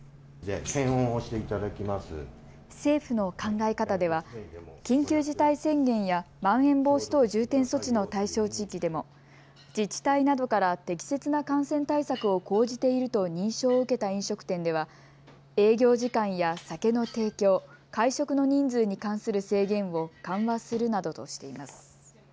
政府の考え方では緊急事態宣言やまん延防止等重点措置の対象地域でも自治体などから適切な感染対策を講じていると認証を受けた飲食店では営業時間や酒の提供、会食の人数に関する制限を緩和するなどとしています。